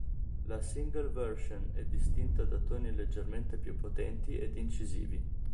La single version è distinta da toni leggermente più potenti ed incisivi.